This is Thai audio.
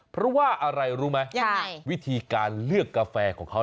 เพราะว่าอะไรรู้ไหมยังไงวิธีการเลือกกาแฟของเขา